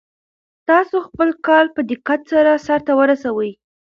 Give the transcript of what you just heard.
تاسو خپل کار په دقت سره سرته ورسوئ.